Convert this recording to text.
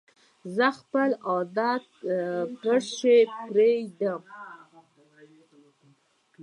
زه خپل عادت پشم پرېښودلې